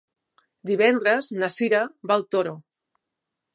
Divendres na Cira va al Toro.